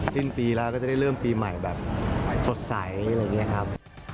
สิ้นปีแล้วก็จะได้เริ่มปีใหม่แบบสดใสอะไรอย่างนี้ครับ